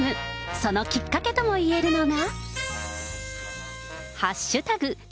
そのきっかけともいえるのが、＃